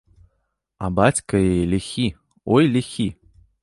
А бацька яе ліхі, ой, ліхі!